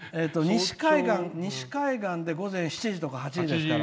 西海岸で午前７時とか８時ですから。